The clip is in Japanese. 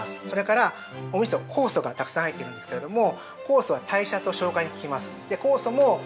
それからおみそは酵素がたくさん入ってるんですけれども、酵素は消化にききます。